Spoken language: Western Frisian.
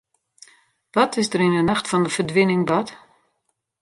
Wat is der yn 'e nacht fan de ferdwining bard?